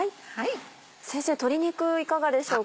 先生鶏肉いかがでしょうか？